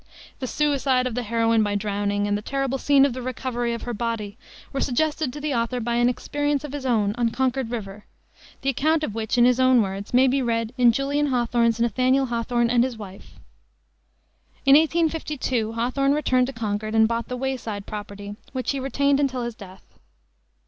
The suicide of the heroine by drowning, and the terrible scene of the recovery of her body, were suggested to the author by an experience of his own on Concord River, the account of which, in his own words, may be read in Julian Hawthorne's Nathaniel Hawthorne and His Wife. In 1852 Hawthorne returned to Concord and bought the "Wayside" property, which he retained until his death.